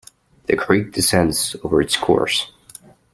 The creek descends over its course.